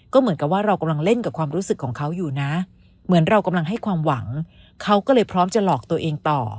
ก็เหมือนกับว่าเรากำลังเล่นกับความรู้สึกของเขาอยู่นะเหมือนเรากำลังให้ความหวังเขาก็เลยพร้อมจะหลอกตัวเองต่อ